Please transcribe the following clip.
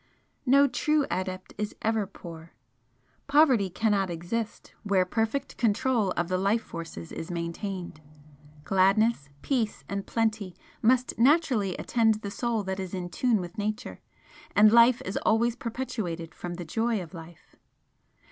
No true adept is ever poor, poverty cannot exist where perfect control of the life forces is maintained. Gladness, peace and plenty must naturally attend the Soul that is in tune with Nature and life is always perpetuated from the joy of life.